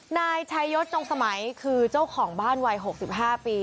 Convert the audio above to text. นายชายศจงสมัยคือเจ้าของบ้านวัย๖๕ปี